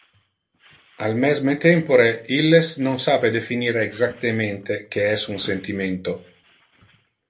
Al mesme tempore, illes non sape definir exactemente que es un sentimento.